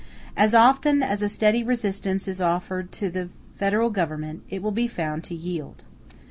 As often as a steady resistance is offered to the Federal Government it will be found to yield.